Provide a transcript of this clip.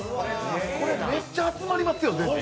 これ、めっちゃ集まりますよ